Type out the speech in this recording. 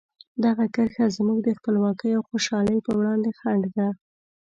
دغه کرښه زموږ د خپلواکۍ او خوشحالۍ په وړاندې خنډ ده.